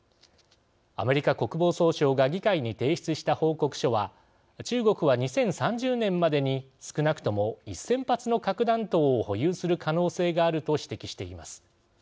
アメリカ国防総省が議会に提出した報告書は中国は２０３０年までに少なくとも１０００発の核弾頭を保有する可能性があると指摘しています。